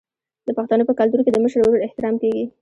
د پښتنو په کلتور کې د مشر ورور احترام کیږي.